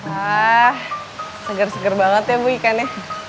ah seger seger banget ya bu ikannya